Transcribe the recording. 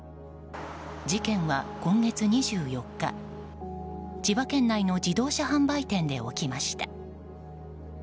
事件は今月２４日、千葉県内の自動車販売店で起きました。